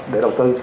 để đầu tư